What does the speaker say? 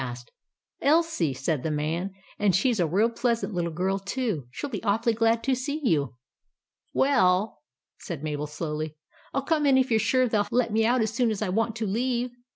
" Elsie," said the man ;" and she 's a real pleasant little girl, too. She '11 be awfully glad to see you." " W e 11," said Mabel, slowly, " I '11 come in, if you 're sure they '11 let me out as soon as I want to leave."